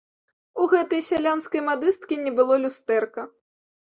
У гэтай сялянскай мадысткі не было люстэрка.